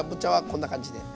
こんな感じ。